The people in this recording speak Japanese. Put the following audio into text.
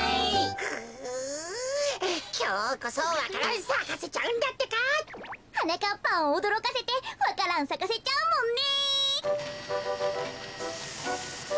くきょうこそわか蘭さかせちゃうんだってか！はなかっぱんをおどろかせてわか蘭さかせちゃうもんね。